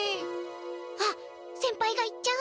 あっ先輩が行っちゃう。